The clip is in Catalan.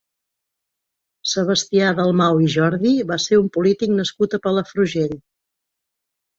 Sebastià Dalmau i Jordi va ser un polític nascut a Palafrugell.